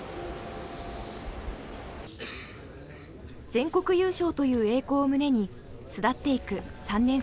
全国優勝という栄光を胸に巣立っていく３年生たち。